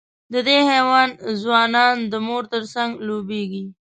د دې حیوان ځوانان د مور تر څنګ لویېږي.